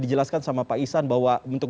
dijelaskan sama pak isan bahwa bentuk